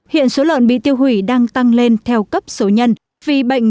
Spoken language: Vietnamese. hiện số lợn bị tiêu hủy đang tăng lên theo cấp số nhân vì bệnh